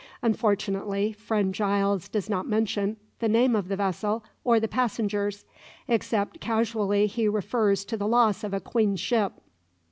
Unfortunately, friend Giles does not mention the name of the vessel or the passengers, except casually he refers to the loss of a queen's ship."